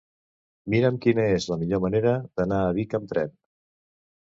Mira'm quina és la millor manera d'anar a Vic amb tren.